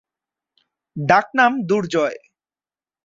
ডাক নাম দুর্জয়।